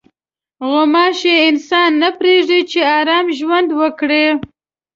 غوماشې انسان نه پرېږدي چې ارام ژوند وکړي.